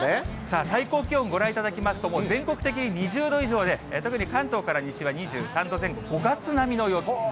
さあ、最高気温ご覧いただきますと、もう全国的に２０度以上で、特に関東から西は２３度前後、５月並みの陽気。